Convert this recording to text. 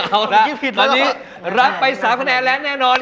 เอาล่ะวันนี้รับไป๓แขนาดแล้วแน่นอน